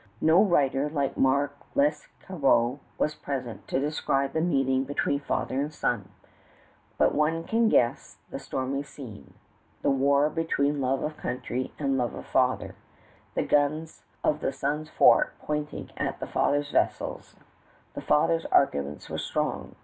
No writer like Marc Lescarbot was present to describe the meeting between father and son; but one can guess the stormy scene, the war between love of country and love of father, the guns of the father's vessels pointing at the son's fort, the guns of the son's fort pointing at the father's vessels. The father's arguments were strong.